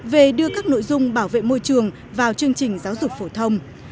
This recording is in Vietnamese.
về đưa các nội dung bảo vệ môi trường vào chương trình giáo dục phổ thông